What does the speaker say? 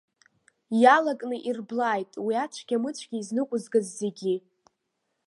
Иалакны ирблааит уи ацәгьа-мыцәгьа изныҟәызгаз зегьы.